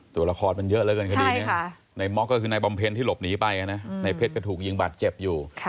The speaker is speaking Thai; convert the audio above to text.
ตัวละครมันเยอะแล้วกันคดีนี้ในม็อกก็คือนายบำเพ็ญที่หลบหนีไปในเพชรก็ถูกยิงบาดเจ็บอยู่